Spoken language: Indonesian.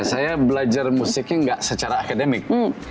saya belajar musiknya nggak secara akademik